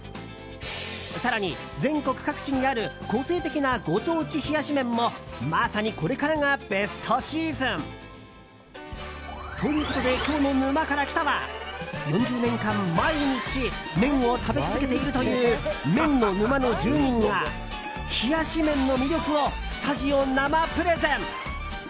更に全国各地にある個性的なご当地冷やし麺もまさにこれからがベストシーズン。ということで今日の「沼から来た。」は４０年間、毎日麺を食べ続けているという麺の沼の住人が冷やし麺の魅力をスタジオ生プレゼン！